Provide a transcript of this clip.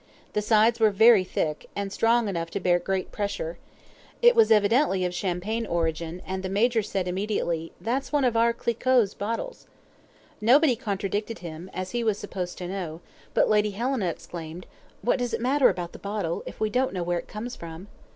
The sides were very thick, and strong enough to bear great pressure. It was evidently of Champagne origin, and the Major said immediately, "That's one of our Clicquot's bottles." Nobody contradicted him, as he was supposed to know; but Lady Helena exclaimed, "What does it matter about the bottle, if we don't know where it comes from?"